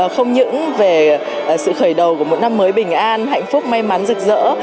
không những về sự khởi đầu của một năm mới bình an hạnh phúc may mắn rực rỡ